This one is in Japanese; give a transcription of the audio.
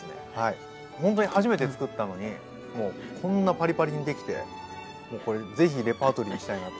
ほんとに初めて作ったのにこんなパリパリにできてこれ是非レパートリーにしたいなと。